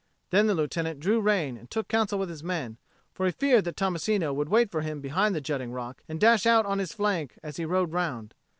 Then the Lieutenant drew rein and took counsel with his men, for he feared that Tommasino would wait for him behind the jutting rock and dash out on his flank as he rode round.